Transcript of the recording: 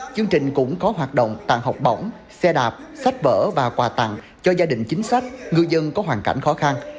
chương trình cũng có hoạt động tặng học bổng xe đạp sách vở và quà tặng cho gia đình chính sách ngư dân có hoàn cảnh khó khăn